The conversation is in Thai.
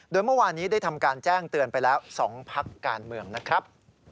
โดยเมื่อวานี้ได้ทำการแจ้งเตือนไปแล้ว๒พักการเมืองนะครับ